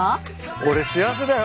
俺幸せだよ。